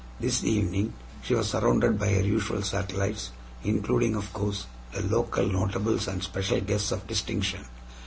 This evening she was surrounded by her usual satellites, including, of course, the local notables and special guests of distinction.